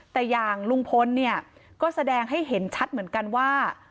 แต่อย่างลุงพลเนี่ยก็แสดงให้เห็นชัดเหมือนกันว่า